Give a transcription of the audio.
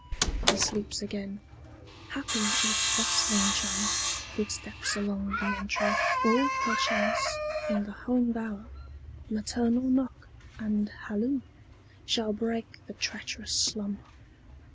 He sleeps again. Happy if bustling chum, Footsteps along the entry, or perchance, In the home bower, maternal knock and halloo, Shall break the treacherous slumber.